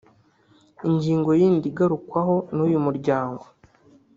Ingingo yindi igarukwaho n’uyu muryango